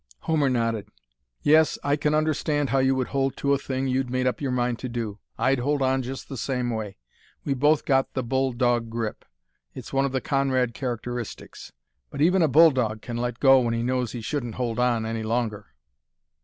Homer nodded. "Yes; I can understand how you would hold to a thing you'd made up your mind to do; I'd hold on just the same way. We've both got the bull dog grip; it's one of the Conrad characteristics. But even a bull dog can let go when he knows he shouldn't hold on any longer."